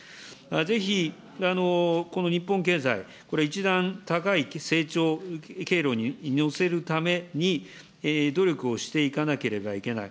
ぜひ、この日本経済、これ、一段高い成長経路に乗せるために努力をしていかなければいけない。